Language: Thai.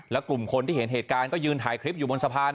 และกลุ่มคนที่เห็นเหตุการณ์ก็ยืนถ่ายคลิปอยู่บนสะพาน